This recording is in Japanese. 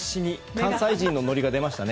関西人のノリが出ましたね。